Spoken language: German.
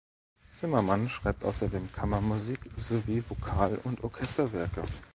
Zimmermann schreibt außerdem Kammermusik sowie Vokal- und Orchesterwerke.